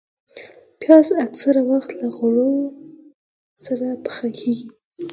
پیاز اکثره وخت له غوړو سره پخېږي